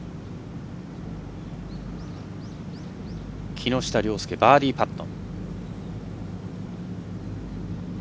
木下稜介、バーディーパット。